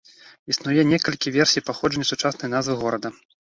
Існуе некалькі версій паходжання сучаснай назвы горада.